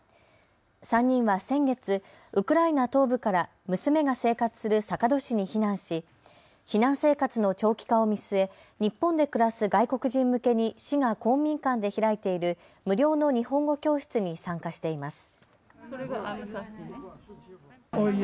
３人は先月、ウクライナ東部から娘が生活する坂戸市に避難し避難生活の長期化を見据え日本で暮らす外国人向けに市が公民館で開いている無料の日本語教室に参加しています。